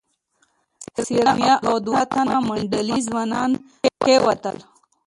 سېرېنا او دوه تنه منډلي ځوانان کېوتل.